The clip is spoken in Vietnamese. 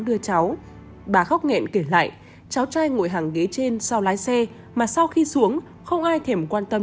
đưa cháu bà khóc nghẹn kể lại cháu trai ngồi hàng ghế trên sau lái xe mà sau khi xuống không ai thềm quan tâm